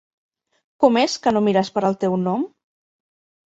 Com és que no mires per el teu nom?